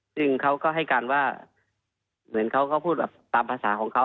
ซึ่งเขาก็ให้การว่าเหมือนเขาก็พูดแบบตามภาษาของเขา